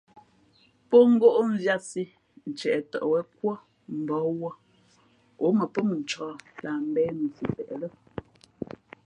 Pó ngóʼ mvīātsī ntieʼ tαʼ wěn kúά mbǒh wūᾱ ǒ mα pó mʉncāk lah mbēh nusipeʼ lά.